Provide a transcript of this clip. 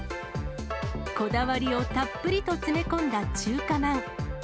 こだわりをたっぷりと詰め込んだ中華まん。